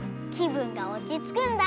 ぶんがおちつくんだ！